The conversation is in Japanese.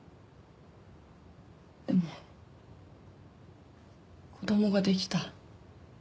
でも子供ができた。